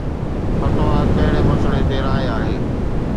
فتويٰ ڪهڙي مسئلي تي راءِ آهي؟